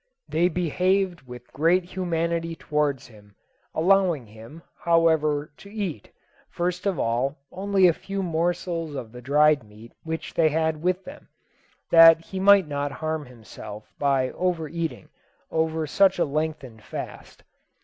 They behaved with great humanity towards him, allowing him, however, to eat, first of all, only a few morsels of the dried meat which they had with them, that he might not harm himself by over eating, after such a lengthened fast.